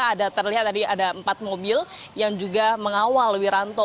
ada terlihat tadi ada empat mobil yang juga mengawal wiranto